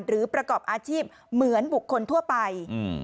ประกอบอาชีพเหมือนบุคคลทั่วไป